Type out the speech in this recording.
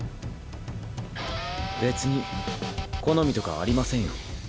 別に好みとかありませんよ。